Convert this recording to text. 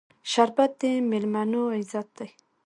شربت د میلمنو عزت دی